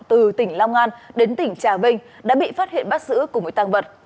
từ tỉnh long an đến tỉnh trà vinh đã bị phát hiện bắt xử của một tăng vật